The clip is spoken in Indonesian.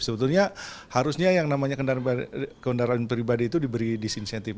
sebetulnya harusnya yang namanya kendaraan pribadi itu diberi disinsentif